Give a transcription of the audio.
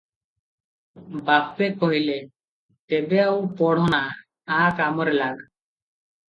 "ବାପେ କହିଲେ, "ତେବେ ଆଉ ପଢ ନା, ଆ କାମରେ ଲାଗ ।"